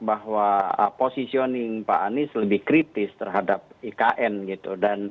bahwa positioning pak anies lebih kritis terhadap ikn gitu